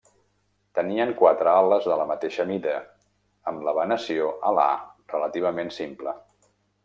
Tenien quatre ales de la mateixa mida, amb la venació alar relativament simple.